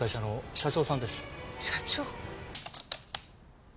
社長。